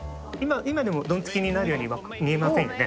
「今でもドンツキになるようには見えませんよね」